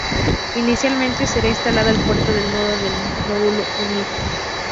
Inicialmente será instalado al puerto del nodo del módulo "Unity".